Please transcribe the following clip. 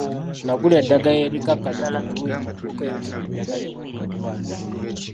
Nagula eddagala erikkakkanya ku bulumi mu dduuka eritunda eddagala ebweru w'eddwaliro.